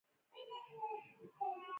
ازادي راډیو د اقتصاد پرمختګ سنجولی.